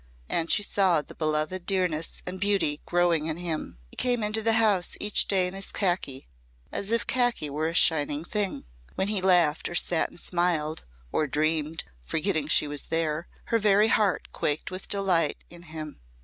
And she saw the beloved dearness and beauty growing in him. He came into the house each day in his khaki as if khaki were a shining thing. When he laughed, or sat and smiled, or dreamed forgetting she was there her very heart quaked with delight in him.